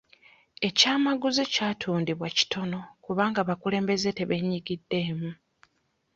Ekyamaguzi kyatundiddwa kitono kubanga abakulembeze tebeenyigiddemu.